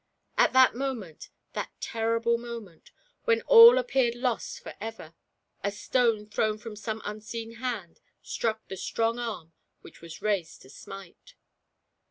At that moment — ^that terrible moment — when all appeared lost for ever, a stone thrown from some unseen hand struck the strong arm which was raised to smite.